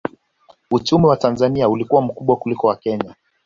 Uchumi wa Tanzania ulikuwa mkubwa kuliko wa Kenya